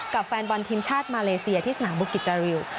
กับแฟนบอลทีมชาติมาเลเซียที่สนังบุฒิกิจาริย์